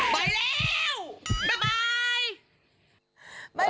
บ๊ายบาย